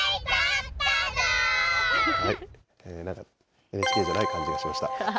なんかＮＨＫじゃない感じがしました。